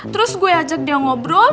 terus gue ajak dia ngobrol